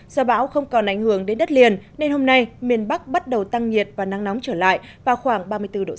do bão không còn ảnh hưởng đến đất liền nên hôm nay miền bắc bắt đầu tăng nhiệt và nắng nóng trở lại vào khoảng ba mươi bốn độ c